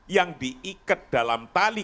yang diikat dalam tali